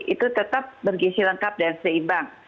itu tetap bergisi lengkap dan seimbang